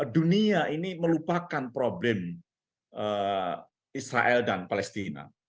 dunia ini melupakan problem israel dan palestina